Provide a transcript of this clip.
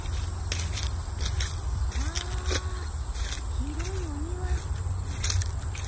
うわぁ広いお庭！